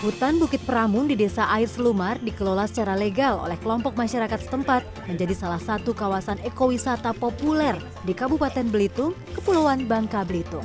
hutan bukit peramun di desa air selumar dikelola secara legal oleh kelompok masyarakat setempat menjadi salah satu kawasan ekowisata populer di kabupaten belitung kepulauan bangka belitung